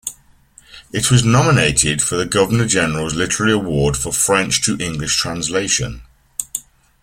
It was nominated for the Governor General's Literary Award for French to English translation.